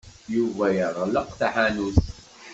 Yuba yeɣleq taḥanut.